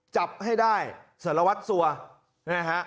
จับให้ได้สรวัสดิ์ซัวร์